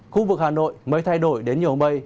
khu vực hà nội mới thay đổi đến nhiều mây